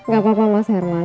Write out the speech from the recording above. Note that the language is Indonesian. gak apa apa mas herman